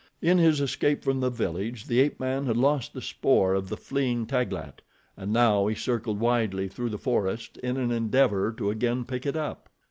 In his escape from the village, the ape man had lost the spoor of the fleeing Taglat, and now he circled widely through the forest in an endeavor to again pick it up.